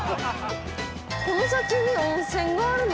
この先に温泉があるの？